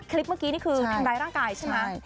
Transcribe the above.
คลิปเมื่อกี้นี่คือทำร้ายร่างกายใช่ไหม